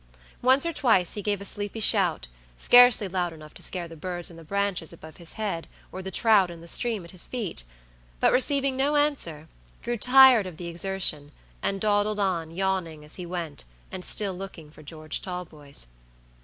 Once or twice he gave a sleepy shout, scarcely loud enough to scare the birds in the branches above his head, or the trout in the stream at his feet: but receiving no answer, grew tired of the exertion, and dawdled on, yawning as he went, and still looking for George Talboys.